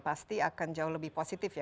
pasti akan jauh lebih positif ya